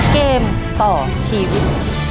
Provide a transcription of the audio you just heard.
เกมต่อชีวิต